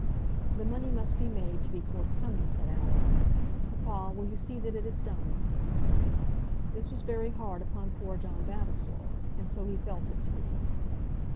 "The money must be made to be forthcoming," said Alice. "Papa, will you see that it is done?" This was very hard upon poor John Vavasor, and so he felt it to be.